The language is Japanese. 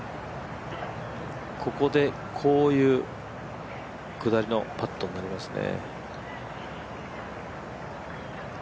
ここでこういう下りのパットになりますね。